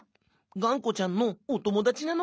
がんこちゃんのおともだちなの」。